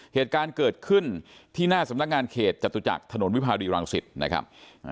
เหตุการณ์เกิดขึ้นที่หน้าสำนักงานเขตจตุจักรถนนวิภารีรังสิตนะครับ